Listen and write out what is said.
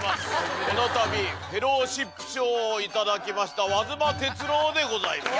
このたびフェローシップ賞を頂きました和妻哲朗でございます。